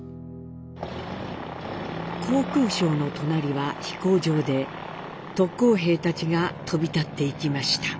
航空廠の隣は飛行場で特攻兵たちが飛び立っていきました。